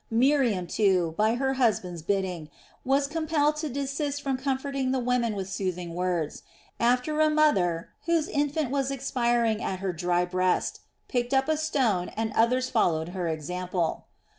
Miriam, too, by her husband's bidding, was compelled to desist from comforting the women with soothing words, after a mother whose infant was expiring at her dry breast, picked up a stone and others followed her example.